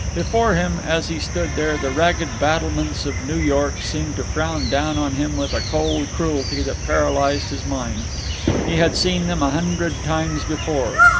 Before him, as he stood there, the ragged battlements of New York seemed to frown down on him with a cold cruelty that paralysed his mind. He had seen them a hundred times before.